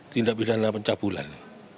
tindak bidana pencapulan